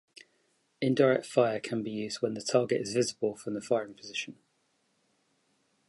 Indirect fire can be used when the target is visible from the firing position.